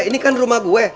ini kan rumah gue